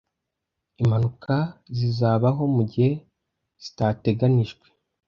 Impanuka zizabaho mugihe zitateganijwe.